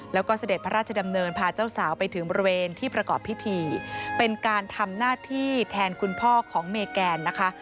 แล้วก็เสด็จพระราชดำเนินพาเจ้าสาวไปถึงบริเวณที่ประกอบพิธีเป็นการทำหน้าที่แทนคุณพ่อของเมแกนนะคะ